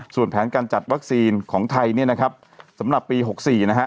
ส่วนแผนการจัดวัคซีนของไทยเนี่ยนะครับสำหรับปี๖๔นะฮะ